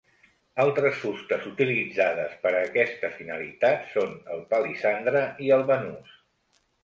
Altres fustes utilitzades per a aquesta finalitat són el palissandre i el banús.